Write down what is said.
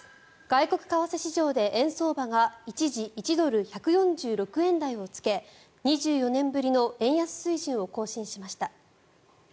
外国為替市場で円相場が一時、１ドル＝１４６円台をつけ２４年ぶりの円安水準を更新しました。